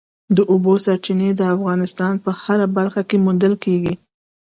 د اوبو سرچینې د افغانستان په هره برخه کې موندل کېږي.